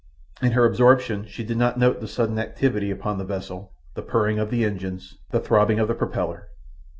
In her absorption she did not note the sudden activity upon the vessel, the purring of the engines, the throbbing of the propeller.